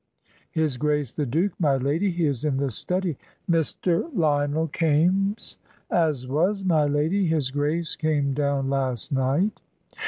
"His Grace the Duke, my lady. He is in the study." "Mr. Lionel Kaimes?" "As was, my lady. His Grace came down last night."